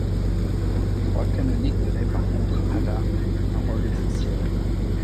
Le droit canonique donnait par contre à la un rôle essentiel.